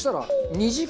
２時間？